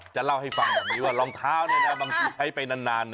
จะเล่าให้ฟังอย่างนี้ว่ารองเท้าบางทีใช้ไปนานเนี่ย